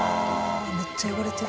めっちゃ汚れてる。